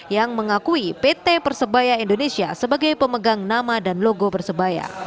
yang mengakui pt persebaya indonesia sebagai pemegang nama dan logo persebaya